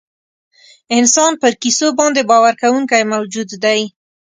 انسان پر کیسو باندې باور کوونکی موجود دی.